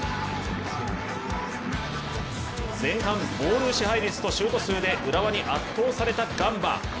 前半、ボール支配率とシュート数で浦和に圧倒されたガンバ。